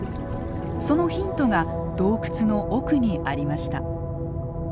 そのヒントが洞窟の奥にありました。